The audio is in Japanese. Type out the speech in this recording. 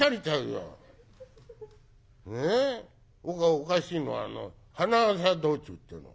おかしいのはあの『花笠道中』っていうの。